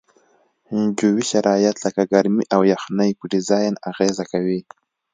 جوي شرایط لکه ګرمي او یخنۍ په ډیزاین اغیزه کوي